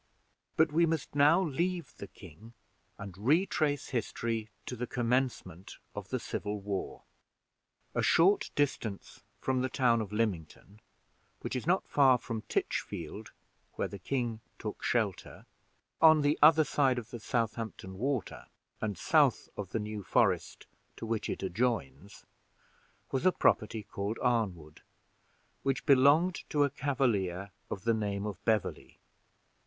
But we must now leave the king and retrace history to the commencement of the civil war. A short distance from the town of Lymington, which is not far from Titchfield, where the king took shelter, but on the other side of Southampton Water, and south of the New Forest, to which it adjoins, was a property called Arnwood, which belonged to a Cavalier of the name of Beverley.